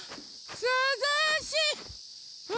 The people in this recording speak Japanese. すずしい！